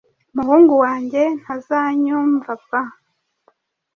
Umuhungu wanjye ntazanyumvapa